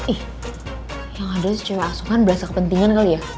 ih yang ada si cewek asongan berasal kepentingan kali ya